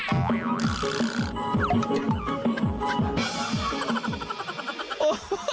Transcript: โอ้โห